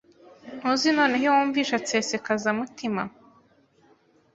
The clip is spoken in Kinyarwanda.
Ntuzi noneho iyo Wumvisha nsesekazamutima